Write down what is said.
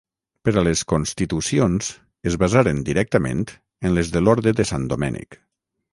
Per a les constitucions, es basaren directament en les de l'Orde de Sant Domènec.